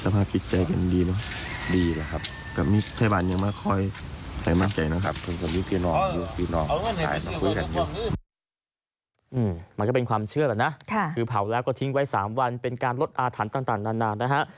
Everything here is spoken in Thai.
มันก็เป็นความเชื่อแหละนะคือเผาแล้วก็ทิ้งไว้๓วันเป็นการลดอาถรรพ์ต่างนานนะฮะ